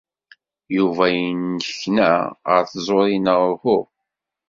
Yuba yennekna ɣer tẓuri neɣ uhu?